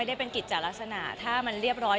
แต่ว่าเราสองคนเห็นตรงกันว่าก็คืออาจจะเรียบง่าย